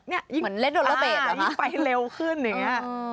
เหมือนเล็ดโดรเบสเหรอคะยิ่งไปเร็วขึ้นอย่างนี้